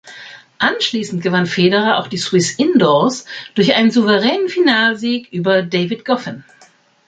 Anschliessend gewann Federer auch die Swiss Indoors durch einen souveränen Finalsieg über David Goffin.